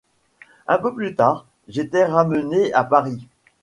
Un peu plus tard, j'étais ramenée à Paris.